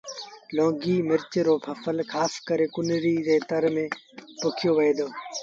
لونگيٚ مرچ رو ڦسل کآس ڪري ڪنريٚ ري تر ميݩ پوکيو وهي دو